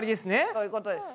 そういうことです。